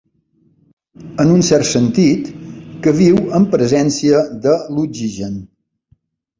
En un cert sentit, que viu en presència de l'oxigen.